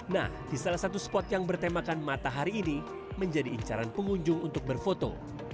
nah di salah satu spot yang bertemakan matahari ini menjadi incaran pengunjung untuk berfoto